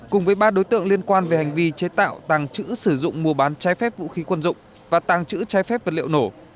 cùng với ba đối tượng liên quan về hành vi chế tạo tàng trữ sử dụng mua bán trái phép vũ khí quân dụng và tàng trữ trái phép vật liệu nổ